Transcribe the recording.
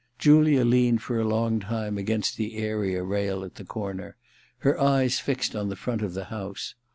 Julia leaned for a long time against the area rail at the corner, her eyes fixed on the front of the house.